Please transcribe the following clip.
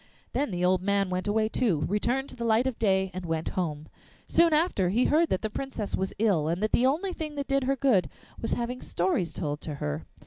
Then the old man went away too, returned to the light of day, and went home. Soon after he heard that the Princess was ill, and that the only thing that did her good was having stories told to her.